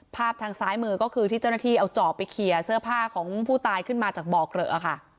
ทางซ้ายมือก็คือที่เจ้าหน้าที่เอาจอบไปเคลียร์เสื้อผ้าของผู้ตายขึ้นมาจากบ่อเกลอะค่ะ